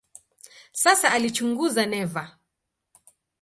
Hasa alichunguza neva.